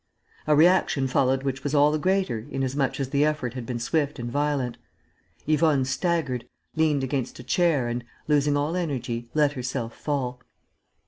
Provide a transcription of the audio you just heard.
A reaction followed which was all the greater inasmuch as the effort had been swift and violent. Yvonne staggered, leant against a chair and, losing all energy, let herself fall.